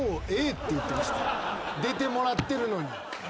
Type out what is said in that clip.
出てもらってるのに。